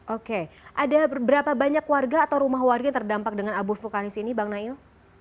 oke ada berapa banyak warga atau rumah warga yang terdampak dengan abu vulkanis ini bang nail